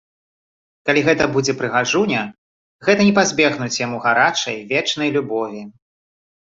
Калі гэта будзе прыгажуня, гэта не пазбегнуць яму гарачай, вечнай любові.